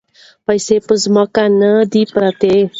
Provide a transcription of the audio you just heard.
پیسې په ځمکه نه دي پرتې.